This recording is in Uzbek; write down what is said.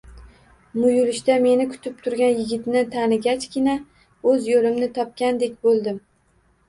Muyulishda meni kutib turgan yigitni tanigachgina, o`z yo`limni topgandek bo`ldim